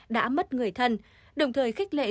đã mất người thân đồng thời khích lệ